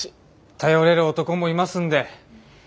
頼れる男もいますんで。